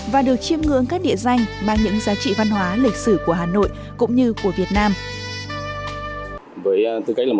và được chiêm ngưỡng các địa danh mang những giá trị văn hóa lịch sử của hà nội cũng như của việt nam